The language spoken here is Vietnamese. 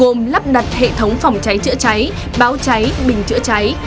gồm lắp đặt hệ thống phòng cháy chữa cháy báo cháy bình chữa cháy